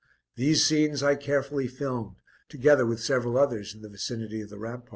These scenes I carefully filmed, together with several others in the vicinity of the ramparts.